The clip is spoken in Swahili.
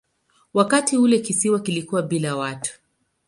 Wakati ule kisiwa kilikuwa bila watu.